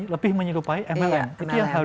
lebih menyerupai mlm